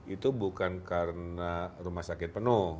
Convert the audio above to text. itu bukan karena rumah sakit penuh